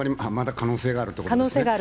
可能性があるということです。